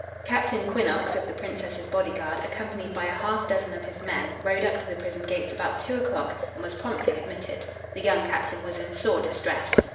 Captain Quinnox, of the Princess's bodyguard, accompanied by a half dozen of his men, rode up to the prison gates about two o'clock and was promptly admitted. The young captain was in sore distress.